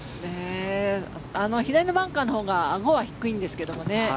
左のバンカーのほうがあごは低いんですけどね。